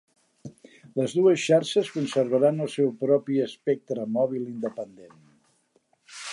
Les dues xarxes conservaran el seu propi espectre mòbil independent.